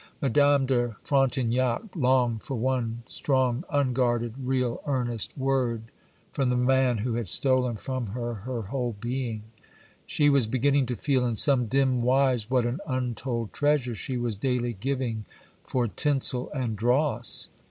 Madame de Frontignac longed for one strong, unguarded, real, earnest word from the man who had stolen from her her whole being. She was beginning to feel in some dim wise what an untold treasure she was daily giving for tinsel and dross.